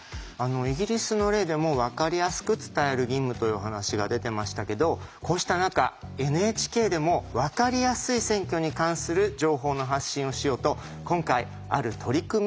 イギリスの例でもわかりやすく伝える義務という話が出てましたけどこうした中ＮＨＫでもわかりやすい選挙に関する情報の発信をしようと今回ある取り組みを始めました。